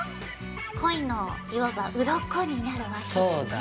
コイのいわばうろこになるわけだね。